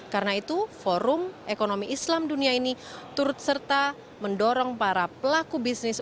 karena itu forum ekonomi islam dunia ini turut serta mendorong para pelaku bisnis